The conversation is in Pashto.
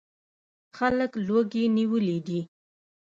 خلک لوږې نیولي دي.